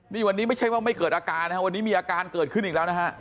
นี่วันนี้ไม่ใช่ว่าไม่เกิดอาการนะฮะวันนี้มีอาการเกิดขึ้นอีกแล้วนะฮะ